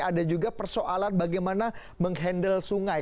ada juga persoalan bagaimana menghandle sungai